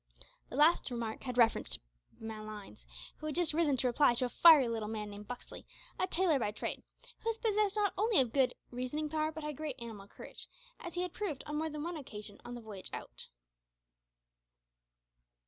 This last remark had reference to Malines, who had just risen to reply to a fiery little man named Buxley, a tailor by trade, who was possessed not only of good reasoning power but great animal courage, as he had proved on more than one occasion on the voyage out.